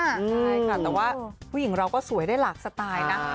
ใช่ค่ะแต่ว่าผู้หญิงเราก็สวยได้หลากสไตล์นะ